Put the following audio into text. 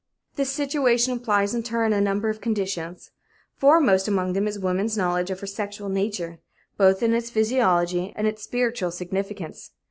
This situation implies in turn a number of conditions. Foremost among them is woman's knowledge of her sexual nature, both in its physiology and its spiritual significance.